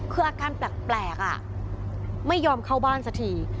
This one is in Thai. คืออาการแปลกไม่ยอมเข้าบ้านสักที